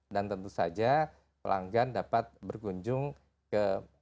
dan tentu saja pelanggan dapat berkunjung ke